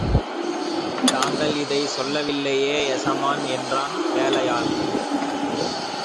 தாங்கள் இதைச் சொல்லவில்லையே எசமான் என்றான் வேலையாள்.